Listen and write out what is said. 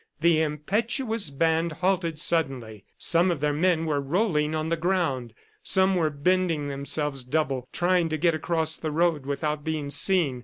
The impetuous band halted suddenly. Some of their men were rolling on the ground. Some were bending themselves double, trying to get across the road without being seen.